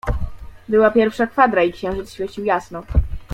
"Była pierwsza kwadra i księżyc świecił jasno."